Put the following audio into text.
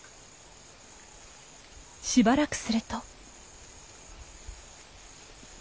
しばらくすると。